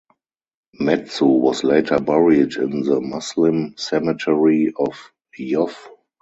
Metsu was later buried in the Muslim cemetery of Yoff.